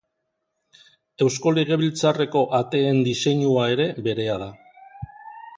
Eusko Legebiltzarreko ateen diseinua ere berea da.